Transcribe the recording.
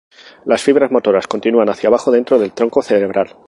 Las fibras motoras continúan hacia abajo dentro del tronco cerebral.